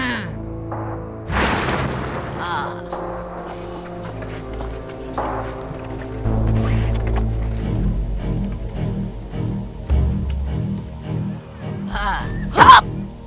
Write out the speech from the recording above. tidak ada apa apa